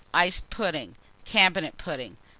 Iced Pudding. Cabinet Pudding.